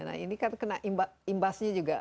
nah ini kan kena imbasnya juga